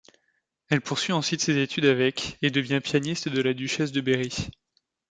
Elle poursuit ensuite ses études avec et devient pianiste de la Duchesse de Berry.